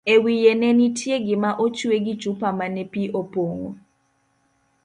e wiye nenitie gima ochwe gi chupa mane pi opong'o